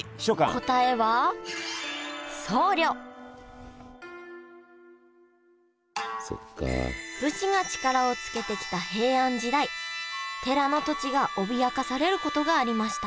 答えは武士が力をつけてきた平安時代寺の土地が脅かされることがありました